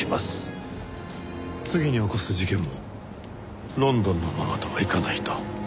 次に起こす事件もロンドンのままとはいかないと？